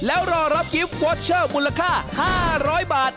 แล้วรอรับกิฟต์วอเชอร์มูลค่า๕๐๐บาท